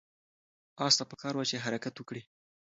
آس ته پکار وه چې حرکت وکړي.